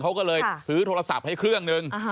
เขาก็เลยซื้อโทรศัพท์ให้เครื่องนึง